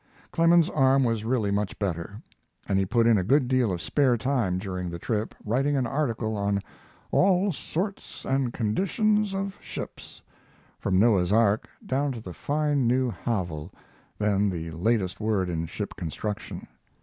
Clemens's arm was really much better, and he put in a good deal of spare time during the trip writing an article on "All Sorts and Conditions of Ships," from Noah's Ark down to the fine new Havel, then the latest word in ship construction.